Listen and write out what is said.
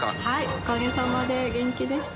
おかげさまで元気でした。